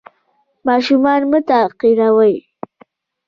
ماشومان مه تحقیروئ.